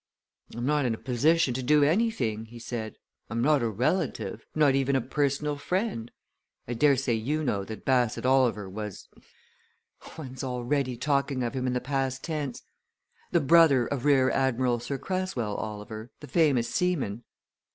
"I'm not in a position to do anything," he said. "I'm not a relative not even a personal friend. I daresay you know that Bassett Oliver was one's already talking of him in the past tense! the brother of Rear Admiral Sir Cresswell Oliver, the famous seaman?"